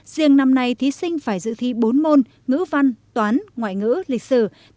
riêng năm nay thí sinh phải dự thi bốn môn ngữ văn toán ngoại ngữ lịch sử